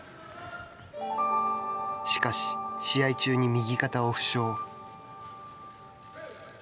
しかし、試合中に右肩を負傷。